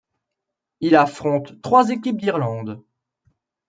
Il affront trois équipes d'Irlande.